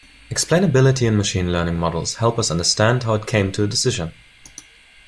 Explainability in machine learning models help us understand how it came to a decision.